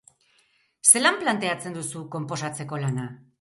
Zelan planteatzen duzu konposatzeko lana?